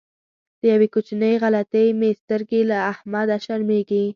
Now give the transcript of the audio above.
له یوې کوچنۍ غلطۍ مې سترګې له احمده شرمېږي.